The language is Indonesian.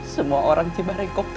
semua orang cibare kok